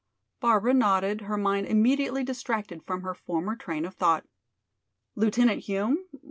Barbara nodded, her mind immediately distracted from her former train of thought. "Lieutenant Hume?